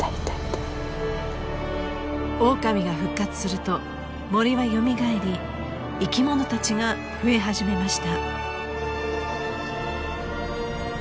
［オオカミが復活すると森は蘇り生き物たちが増え始めました］